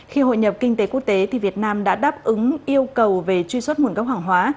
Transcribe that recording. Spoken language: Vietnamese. khi hội nhập kinh tế quốc tế thì việt nam đã đáp ứng yêu cầu về truy xuất nguồn gốc hàng hóa